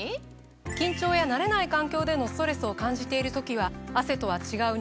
緊張や慣れない環境でのストレスを感じている時は汗とは違う